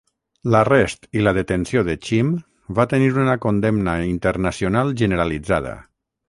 L'arrest i la detenció de Cheam va tenir una condemna internacional generalitzada.